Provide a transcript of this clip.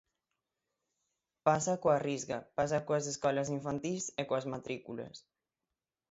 Pasa coa Risga, pasa coas escolas infantís e coas matrículas.